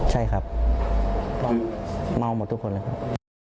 หมองบอกทุกคนเลยครับ